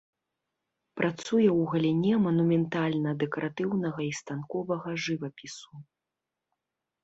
Працуе ў галіне манументальна-дэкаратыўнага і станковага жывапісу.